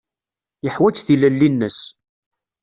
Yeḥwaǧ tilelli-nnes.